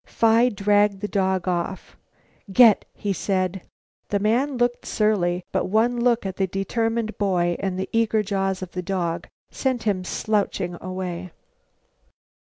Phi dragged the dog off. "Get!" he said. The man looked surly, but one look at the determined boy and the eager jaws of the dog set him slouching away.